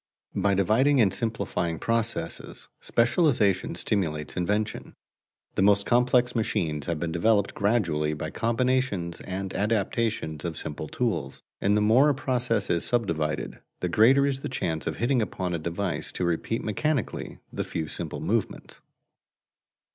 By dividing and simplifying processes, specialization stimulates invention. The most complex machines have been developed gradually by combinations and adaptations of simple tools, and the more a process is subdivided, the greater is the chance of hitting upon a device to repeat mechanically the few simple movements.